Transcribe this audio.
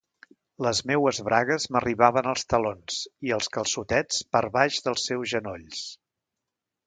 Les meues bragues m'arribaven als talons i els calçotets per baix dels seus genolls...